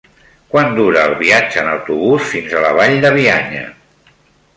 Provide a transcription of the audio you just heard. Quant dura el viatge en autobús fins a la Vall de Bianya?